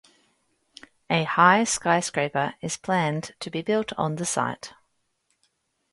A high skyscraper is planned to be built on the site.